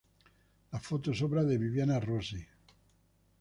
La foto es obra de Viviana Rossi.